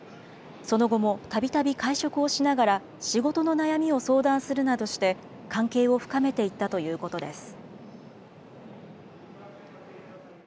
その後もたびたび会食をしながら、仕事の悩みを相談するなどして、関係を深めていったということです。